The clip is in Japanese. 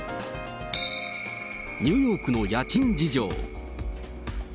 ニューヨークの家賃事情。